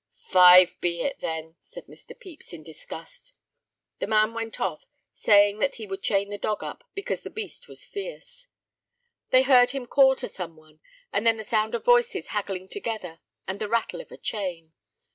"Five be it, then," said Mr. Pepys, in disgust. The man went off, saying that he would chain the dog up, because the beast was fierce. They heard him call to some one, and then the sound of voices haggling together and the rattle of a chain.